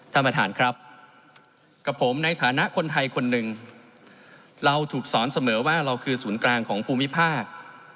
ท่านประธานครับกับผมในฐานะคนไทยคนหนึ่งเราถูกสอนเสมอว่าเราคือศูนย์กลางของภูมิภาค